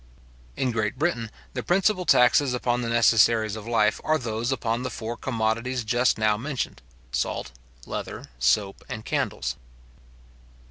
In Great Britain, the principal taxes upon the necessaries of life, are those upon the four commodities just now mentioned, salt, leather, soap, and candles.